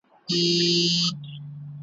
زه دي نه پرېږدم ګلابه چي یوازي به اوسېږې ,